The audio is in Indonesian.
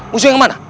musuh yang mana